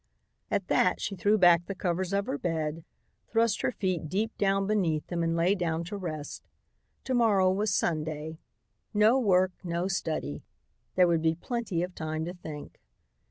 At that she threw back the covers of her bed, thrust her feet deep down beneath them and lay down to rest. To morrow was Sunday; no work, no study. There would be plenty of time to think.